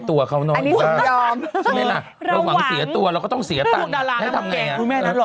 แต่ถ้าให้ผู้ชายมาขอเงิน๒๔๐๐๐บาท